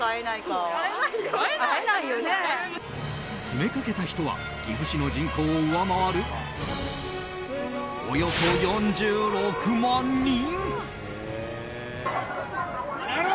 詰めかけた人は岐阜市の人口を上回るおよそ４６万人。